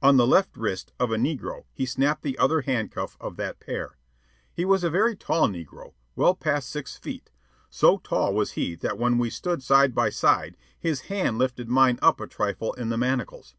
On the left wrist of a negro he snapped the other handcuff of that pair. He was a very tall negro, well past six feet so tall was he that when we stood side by side his hand lifted mine up a trifle in the manacles.